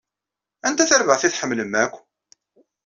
Anta tarbaɛt i tḥemmlem akk?